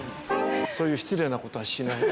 そういう失礼なことはしない。